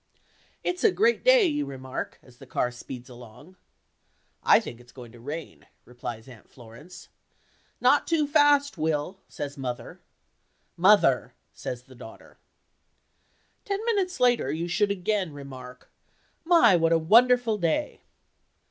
"It's a great day," you remark, as the car speeds along. "I think it's going to rain," replies Aunt Florence. "Not too fast, Will!" says mother. "Mother!" says the daughter. Ten minutes later you should again remark, "My, what a wonderful day!"